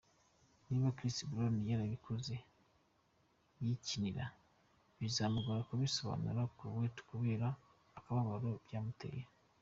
Niba Chris Brown yarabikoze yikinira, bizamugora kubisobanurira Karrueche kubera akababaro byamuteye.